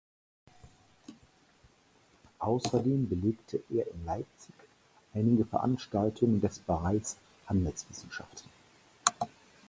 Außerdem belegte er in Leipzig einige Veranstaltungen des Bereichs Handelswissenschaften.